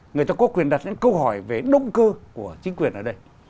người ta có quyền đặt những câu hỏi về động cơ của chính quyền ở đây